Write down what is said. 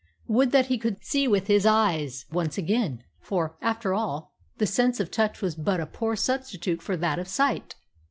Would that he could see with his eyes once again; for, after all, the sense of touch was but a poor substitute for that of sight!